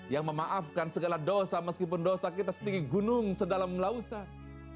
yang memaafkan segala dosa meskipun dosa kita setinggi gunung sedalam lautan